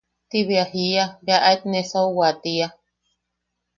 Tibe jia bea at nesauwaʼu tia.